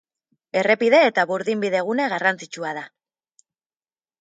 Errepide- eta burdinbide-gune garrantzitsua da.